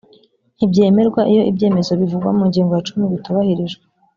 ntibyemerwa iyo ibyemezo bivugwa mu ngingo ya cumi bitubahirijwe